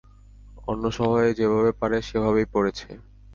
অন্য সবাই যেভাবে পরে, সেভাবেই পরেছে।